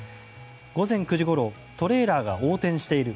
午前９時ごろトレーラーが横転している。